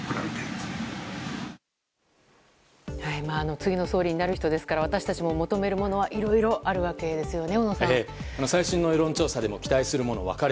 次の総理になる人ですから私たちも求めるものはいろいろあるわけですね。